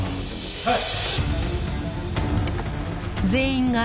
はい！